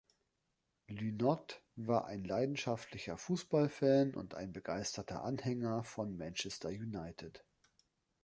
Lynott war ein leidenschaftlicher Fußballfan und ein begeisterter Anhänger von Manchester United.